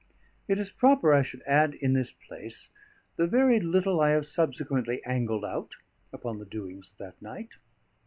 It is proper I should add in this place the very little I have subsequently angled out upon the doings of that night.